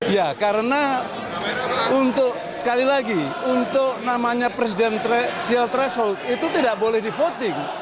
ya karena untuk sekali lagi untuk namanya presiden sial trishult itu tidak boleh dipotong